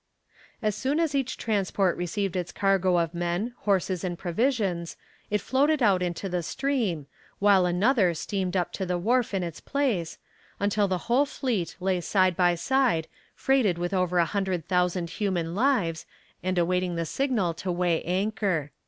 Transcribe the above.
As soon as each transport received its cargo of men, horses and provisions, it floated out into the stream, while another steamed up to the wharf in its place, until the whole fleet lay side by side, freighted with over a hundred thousand human lives, and awaiting the signal to weigh anchor.